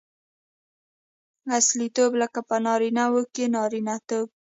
اصیلتوب؛ لکه په نارينه وو کښي نارينه توب.